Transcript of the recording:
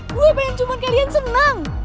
gue pengen cuma kalian senang